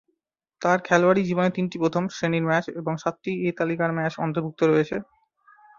তার খেলোয়াড়ি জীবনে তিনটি প্রথম-শ্রেণীর ম্যাচ এবং সাতটি এ তালিকার ম্যাচ অন্তর্ভুক্ত রয়েছে।